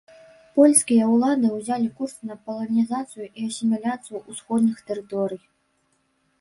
Польскія ўлады ўзялі курс на паланізацыю і асіміляцыю ўсходніх тэрыторый.